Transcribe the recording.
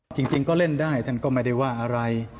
จริงก็เล่นได้ท่านก็ไม่ได้ว่าอะไร